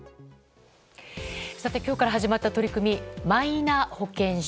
今日から始まった取り組みマイナ保険証。